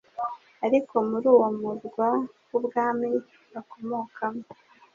Ariko muri uwo murwa w'ubwami bakomokamo